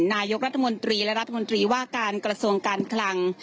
นายกรัฐมนตรีและรัฐมนตรีว่าการกระทรวงการคลัง